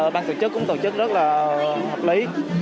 ban tổ chức cũng tổ chức rất là hợp lý